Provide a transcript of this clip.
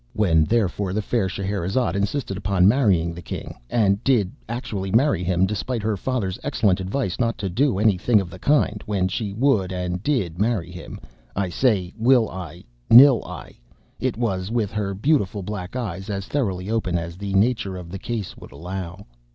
When, therefore, the fair Scheherazade insisted upon marrying the king, and did actually marry him despite her father's excellent advice not to do any thing of the kind—when she would and did marry him, I say, will I, nill I, it was with her beautiful black eyes as thoroughly open as the nature of the case would allow.